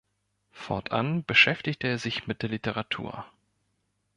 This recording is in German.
Fortan beschäftigte er sich mit der Literatur.